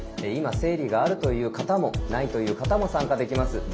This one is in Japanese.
今生理があるという方もないという方も参加できます。